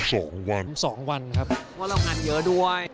เพราะเรางานเยอะด้วย